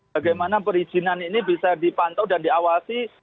bagaimana perizinan ini bisa dipantau dan diawasi